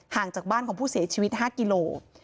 จากบ้านของผู้เสียชีวิต๕กิโล